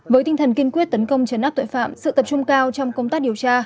với tinh thần kiên quyết tấn công trấn áp tội phạm sự tập trung cao trong công tác điều tra